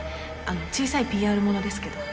小さいＰＲものですけど。